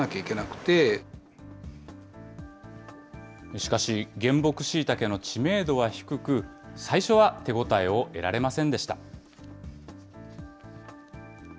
しかし、原木しいたけの知名度は低く、最初は手応えを得られませんでした。